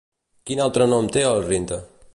Quin altre nom té el Rindr?